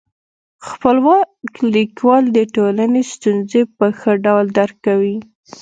خپلواک لیکوالان د ټولني ستونزي په ښه ډول درک کوي.